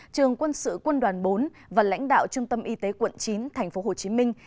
trường quân sự quân đoàn bốn và lãnh đạo trung tâm y tế quận chín thành phố hồ chí minh